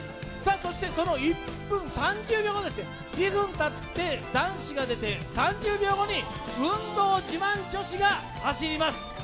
そしてその１分３０秒後、２分たって男子が出て３０秒後に運動自慢女子が走ります。